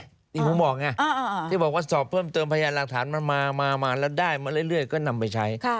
อย่างที่ผมบอกไงที่บอกว่าสอบเพิ่มเติมพยานหลักฐานมันมาแล้วได้มาเรื่อยก็นำไปใช้